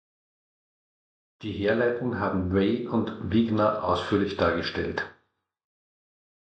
Die Herleitung haben Way und Wigner ausführlich dargestellt.